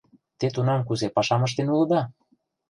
Те тунам кузе пашам ыштен улыда?